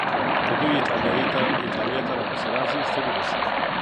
که دوی ایټالیې ته راپسې راشي، ستړي به شي.